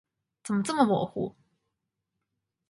怎么这么模糊？